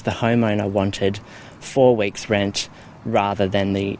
daripada uang deposit selama dua minggu